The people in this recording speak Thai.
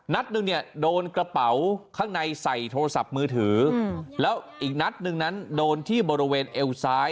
นัดหนึ่งเนี่ยโดนกระเป๋าข้างในใส่โทรศัพท์มือถือแล้วอีกนัดหนึ่งนั้นโดนที่บริเวณเอวซ้าย